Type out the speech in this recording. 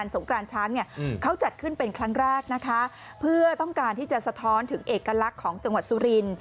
สงกรานช้างเนี่ยเขาจัดขึ้นเป็นครั้งแรกนะคะเพื่อต้องการที่จะสะท้อนถึงเอกลักษณ์ของจังหวัดสุรินทร์